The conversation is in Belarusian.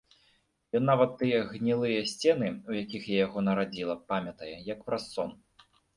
Ён нават тыя гнілыя сцены, у якіх я яго нарадзіла, памятае, як праз сон.